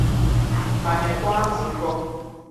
ma nwekwa nzukọ